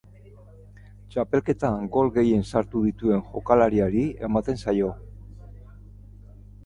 Txapelketan gol gehien sartu dituen jokalariari ematen zaio.